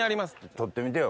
取ってみてよ。